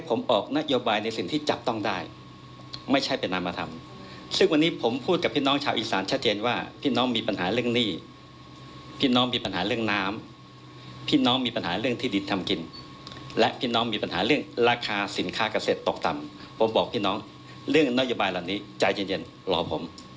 ผมบอกพี่น้องเรื่องนโยบายเหล่านี้ใจเย็นรอผม